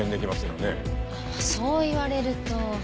そう言われると。